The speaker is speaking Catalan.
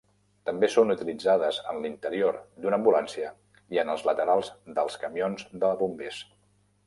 També són utilitzades en l'interior d'una ambulància i en els laterals dels camions de bombers.